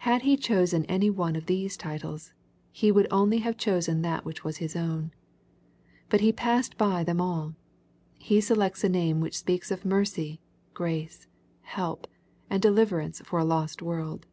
Had He chosen any one of these titles, He would only have chosen that which was His own. But He passed by them all. He selects a name which speaks of mercy, grace, help, and deliverance for a lost world.